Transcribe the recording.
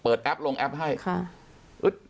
เปิดแอปธนาคารลงแอปธนาคารให้